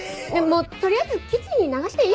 もうとりあえずキッチンに流していい？